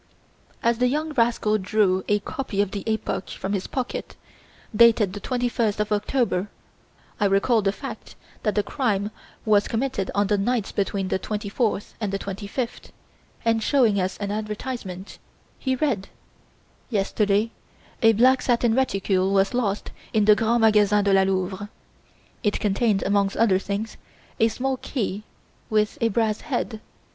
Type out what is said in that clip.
And the young rascal drew a copy of the "Epoque" from his pocket, dated the 21st of October (I recall the fact that the crime was committed on the night between the 24th and 25th), and showing us an advertisement, he read: "'Yesterday a black satin reticule was lost in the Grands Magasins de la Louvre. It contained, amongst other things, a small key with a brass head.